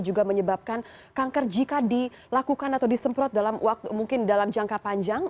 juga menyebabkan kanker jika dilakukan atau disemprot dalam waktu mungkin dalam jangka panjang